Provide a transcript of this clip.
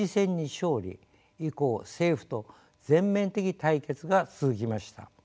以降政府と全面的対決が続きました。